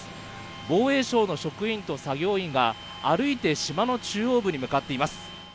防衛省の職員と作業員が歩いて島の中央部に向かっています